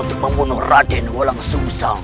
untuk membunuh raden walang sung sang